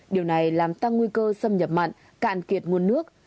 điều này làm tăng nguy cơ xâm nhập mặn cạn kiệt nguồn nước